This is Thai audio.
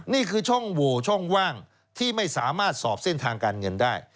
นี่คือช่องโหวช่องว่างที่ไม่สามารถสอบเส้นทางการเงินได้